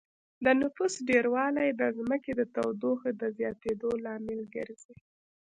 د نفوس ډېروالی د ځمکې د تودوخې د زياتېدو لامل ګرځي